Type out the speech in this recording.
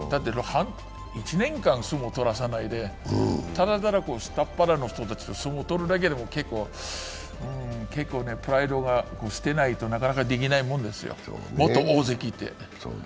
１年間相撲取らさないでただただ下っ端の人たちと相撲取るだけでも結構ね、プライドが捨てないとなかなかできないもんですよ、元大関って。